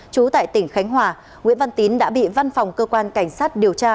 trú tại tỉnh khánh hòa nguyễn văn tín đã bị văn phòng cơ quan cảnh sát điều tra